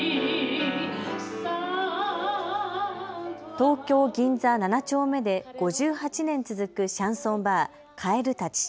東京銀座７丁目で５８年続くシャンソンバー、蛙たち。